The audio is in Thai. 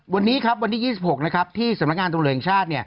วันนี้ครับวันที่๒๖นะครับที่สำนักงานตำรวจแห่งชาติ